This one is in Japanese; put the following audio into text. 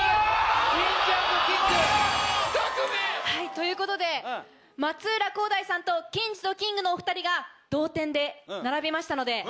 ・ということで松浦航大さんとＫＩＮＺ＆Ｋ−ｉｎｇのお２人が同点で並びましたので。